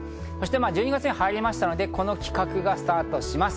１２月に入りましたので、この企画がスタートします。